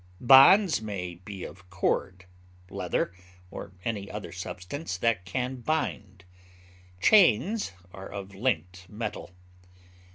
Bonds may be of cord, leather, or any other substance that can bind; chains are of linked metal.